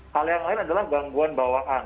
hal yang lain adalah gangguan bawaan